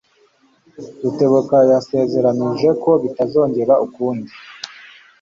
Rutebuka yasezeranije ko bitazongera ukundi.